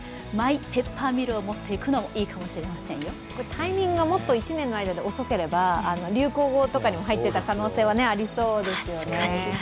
タイミングがもっと１年の間で遅ければ流行語とかにも入っていた可能性はありそうですよね。